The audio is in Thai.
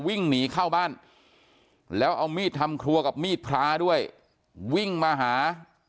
วิ่งหนีเข้าบ้านแล้วเอามีดทำครัวกับมีดพระด้วยวิ่งมาหา